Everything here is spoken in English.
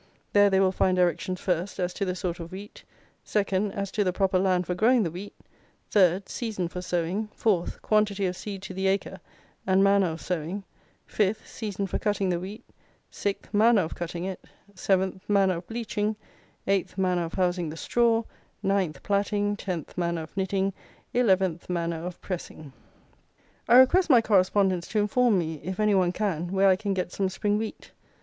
There they will find directions, first, as to the sort of wheat; second, as to the proper land for growing the wheat; third, season for sowing; fourth, quantity of seed to the acre, and manner of sowing; fifth, season for cutting the wheat; sixth, manner of cutting it; seventh, manner of bleaching; eighth, manner of housing the straw; ninth, platting; tenth, manner of knitting; eleventh, manner of pressing. I request my correspondents to inform me, if any one can, where I can get some spring wheat.